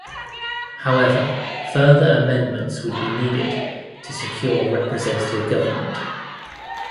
However, further amendments would be needed to secure representative government.